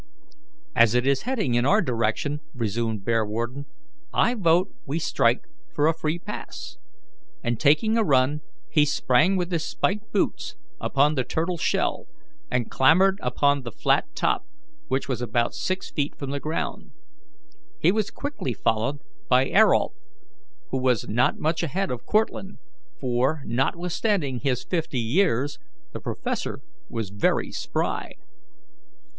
"As it is heading in our direction," resumed Bearwarden, "I vote we strike for a free pass," and, taking a run, he sprang with his spiked boots upon the turtle's shell and clambered upon the flat top, which was about six feet from the ground. He was quickly followed by Ayrault, who was not much ahead of Cortlandt, for, notwithstanding his fifty years, the professor was very spry.